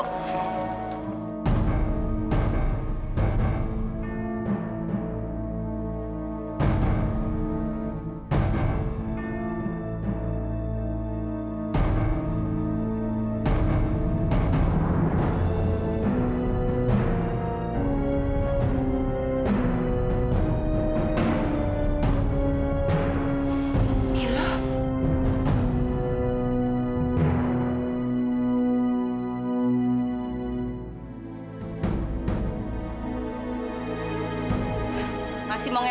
siapa kamu sebenarnya